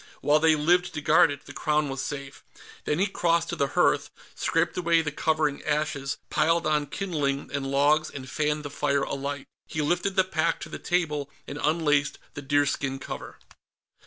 While they lived to guard it, the Crown was safe. Then he crossed to the hearth, scraped away the covering ashes, piled on kindling and logs and fanned the fire alight. He lifted the pack to the table and unlaced the deerskin cover.